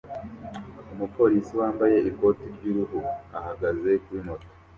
Umupolisi wambaye ikoti ry'uruhu ahagaze kuri moto